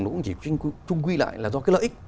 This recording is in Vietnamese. nó cũng chỉ trung quy lại là do cái lợi ích